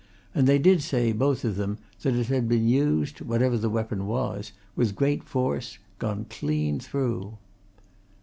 And they did say, both of them, that it had been used whatever the weapon was with great force: gone clean through."